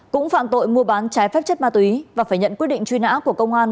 cũng phạm tội mua bán trái phép chất ma túy và phải nhận quyết định truy nã của công an